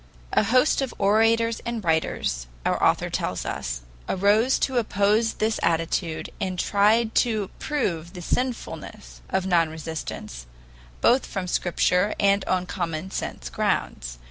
A host of orators and writers, our author tells us, arose to oppose this attitude, and tried to prove the sinfulness of non resistance, both from Scripture and on common sense grounds.